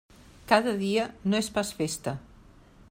Cada dia no és pas festa.